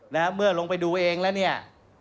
นะฮะเมื่อลงไปดูเองแล้วเนี่ย